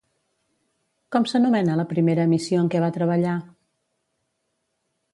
Com s'anomena la primera emissió en què va treballar?